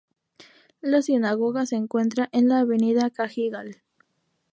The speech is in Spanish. La sinagoga se encuentra en la Avenida Cajigal.